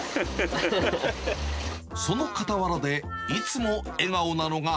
その傍らで、いつも笑顔なのが。